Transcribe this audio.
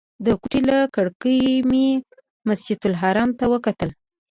د کوټې له کړکۍ مې مسجدالحرام ته وکتل.